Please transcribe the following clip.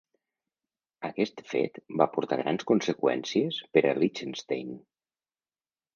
Aquest fet va portar grans conseqüències per a Liechtenstein.